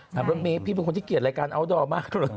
แม่ชอบไปเที่ยว